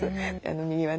右はね